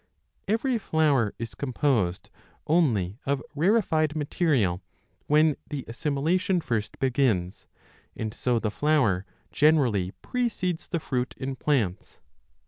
Every flower is composed 3 only of rarefied material when the assimilation first begins ; and so the flower generally precedes the fruit in plants.